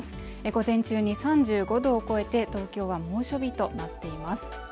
午前中に３５度を超えて東京は猛暑日となっています